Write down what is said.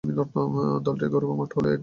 দলটির ঘরোয়া মাঠ হল অ্যাডিলেড ওভাল।